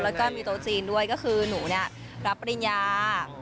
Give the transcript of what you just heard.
แล้วก็มีโต๊ะจีนด้วยก็คือหนูเนี่ยรับปริญญา